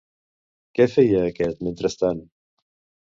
Què feia aquest mentrestant?